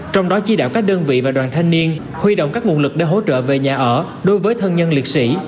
trong đó chỉ đạo các đơn vị và đoàn thanh niên huy động các nguồn lực để hỗ trợ về nhà ở đối với thân nhân liệt sĩ